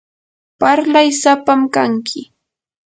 parlay sapam kanki.